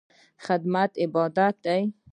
خدمت عبادت دی